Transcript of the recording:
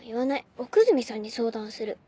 奥泉さんに相談する。